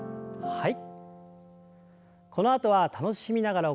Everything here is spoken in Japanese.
はい。